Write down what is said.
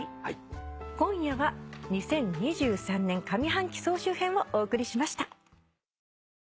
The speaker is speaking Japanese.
今夜は２０２３年上半期総集編をお送りしました。